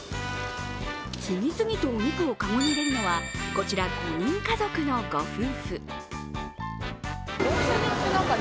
次々とお肉をかごに入れるのはこちら５人家族のご夫婦。